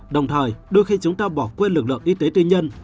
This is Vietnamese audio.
đồng thời đôi khi chúng ta bỏ quên lực lượng y tế tư nhân